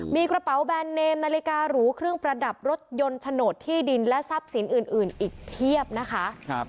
มีกระเป๋าแบรนดเนมนาฬิการูเครื่องประดับรถยนต์โฉนดที่ดินและทรัพย์สินอื่นอีกเพียบนะคะ